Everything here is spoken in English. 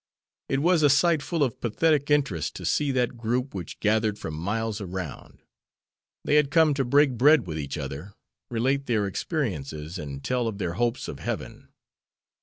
It was a sight full of pathetic interest to see that group which gathered from miles around. They had come to break bread with each other, relate their experiences, and tell of their hopes of heaven.